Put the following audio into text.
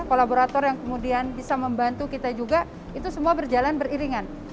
kolaborator yang kemudian bisa membantu kita juga itu semua berjalan beriringan